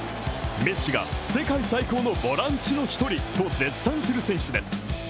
メッシが世界最高のボランチの一人と絶賛する選手です。